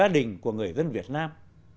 và tình gia đình của người dân việt nam